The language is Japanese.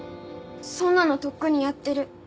そんなのとっくにやってる。